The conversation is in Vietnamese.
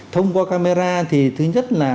thông qua camera thì thứ nhất là